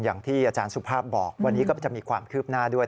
อย่างที่อาจารย์สุภาพบอกวันนี้ก็จะมีความคืบหน้าด้วย